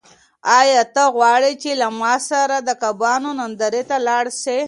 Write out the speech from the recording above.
آیا ته غواړې چې له ما سره د کبانو نندارې ته لاړ شې؟